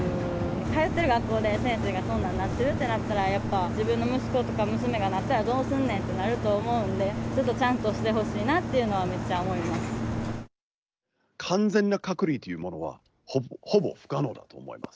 通ってる学校で、先生がそんなんになってるってなったら、やっぱり自分の息子とか娘がなったらどうすんねんってなると思うんで、ちょっとしてほしいなっていうのは、めっちゃ思います。